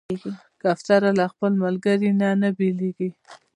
کوتره له خپل ملګري نه نه بېلېږي.